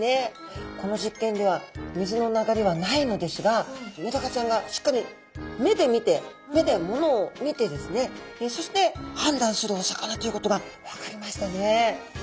これはメダカちゃんがしっかり目で見て目でものを見てですねそして判断するお魚ということが分かりましたね。